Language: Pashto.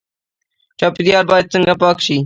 چاپیریال باید څنګه پاک شي؟